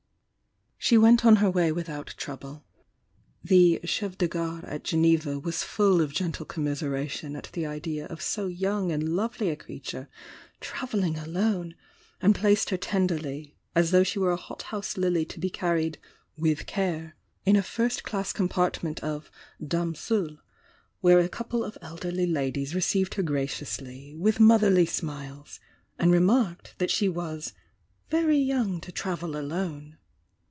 She wsnt on her way without trouble. The chef de garc at Geneva was full of gentle commiseration at the idea of so young and lovely a creature trav elling alone, and placed her tenderly, as though she were a hot house lily to be carried "with care," in a first class compartment of "Dames Seules" where a couple of elderly ladies received her gra ciously, with motherly smiles, and remarked that she was "very young to travel alone."